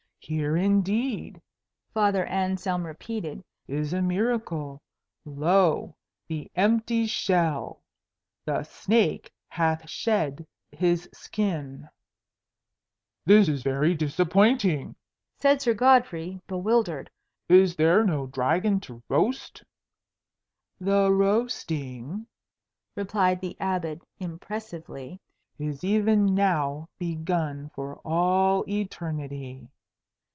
"Here indeed," Father Anselm repeated, "is a miracle. Lo, the empty shell! The snake hath shed his skin." "This is very disappointing," said Sir Godfrey, bewildered. "Is there no dragon to roast?" "The roasting," replied the Abbot, impressively, "is even now begun for all eternity."